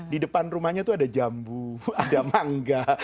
di depan rumahnya itu ada jambu ada mangga